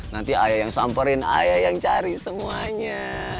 nanti ayah yang samperin ayah yang cari semuanya